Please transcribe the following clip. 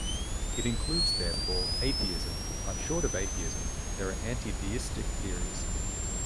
It includes, therefore, atheism, but short of atheism there are anti-theistic theories.